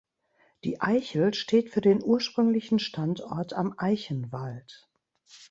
Die Eichel steht für den ursprünglichen Standort am Eichenwald.